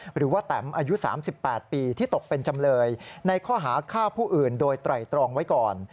หรือว่าแตมอายุ๓๘ปีที่ตกเป็นจำเลยในข้อหาฆ่าผู้อื่นโดยไตรตรองไว้ก่อน